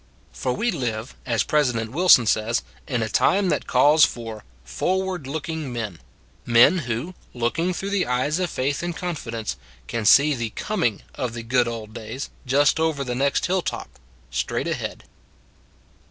For we live, as President Wilson says, in a time that calls for " forward looking men "< men who, looking through the eyes of faith and confidence, can see the coming of the " good old days" just over the next hill top straight ahead.